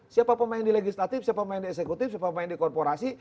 siapa pemain di legislatif siapa pemain di eksekutif siapa pemain di korporasi